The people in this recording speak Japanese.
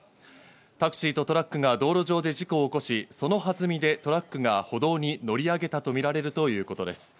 タクシーとトラックが道路上で事故を起こし、その弾みでトラックが歩道に乗り上げたとみられるということです。